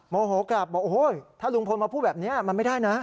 โมโหกลับบอกโอ้โหถ้าลุงพลมาพูดแบบนี้มันไม่ได้นะ